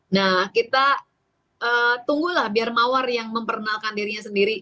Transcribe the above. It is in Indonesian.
nah kita tunggulah biar mawar yang memperkenalkan dirinya sendiri